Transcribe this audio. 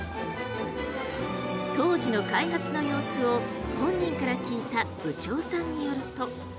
当時の開発の様子を本人から聞いた部長さんによると。